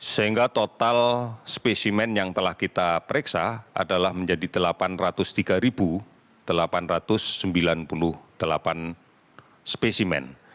sehingga total spesimen yang telah kita periksa adalah menjadi delapan ratus tiga delapan ratus sembilan puluh delapan spesimen